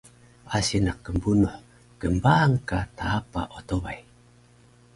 Asi naq knbunuh gnbaang ka taapa otobay